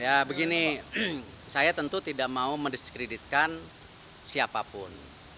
ya begini saya tentu tidak mau mendiskreditkan siapapun